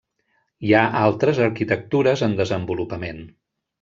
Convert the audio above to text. Hi ha altres arquitectures en desenvolupament.